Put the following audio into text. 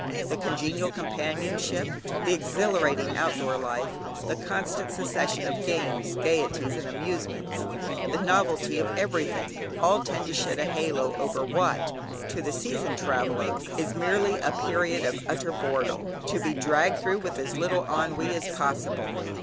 The congenial companionship, the exhilarating outdoor life, the constant succession of games, gaieties, and amusements, the novelty of every thing, all tend to shed a halo over what, to the seasoned traveller, is merely a period of utter boredom, to be dragged through with as little ennui as possible.